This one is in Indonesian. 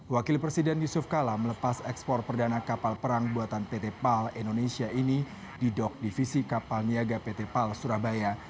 wakil presiden yusuf kala melepas ekspor perdana kapal perang buatan pt pal indonesia ini di dok divisi kapal niaga pt pal surabaya